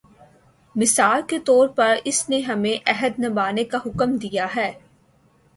مثال کے طور پر اس نے ہمیں عہد نبھانے کا حکم دیا ہے۔